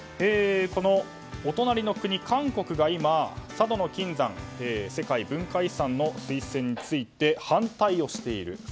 お隣の国・韓国が今佐渡島の金山、世界文化遺産の推薦について反対をしている。